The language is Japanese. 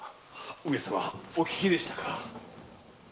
上様お聞きでしたか。